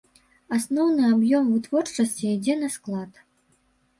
Асноўны аб'ём вытворчасці ідзе на склад.